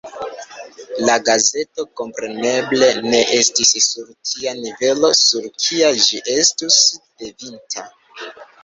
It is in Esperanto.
La gazeto, kompreneble, ne estis sur tia nivelo, sur kia ĝi estus devinta.